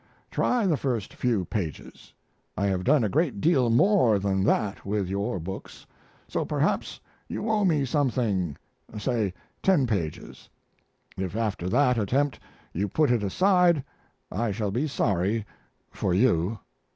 Try the first few pages. I have done a great deal more than that with your books, so perhaps you owe me some thing say ten pages. If after that attempt you put it aside I shall be sorry for you.